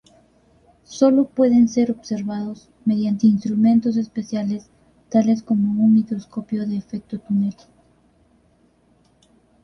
Solo pueden ser observados mediante instrumentos especiales tales como un microscopio de efecto túnel.